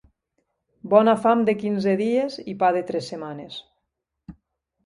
Bona fam de quinze dies i pa de tres setmanes.